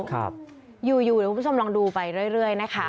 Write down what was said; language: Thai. ครับอยู่อยู่เดี๋ยวคุณผู้ชมลองดูไปเรื่อยเรื่อยนะคะ